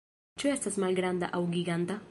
Ĉu estas malgranda aŭ giganta?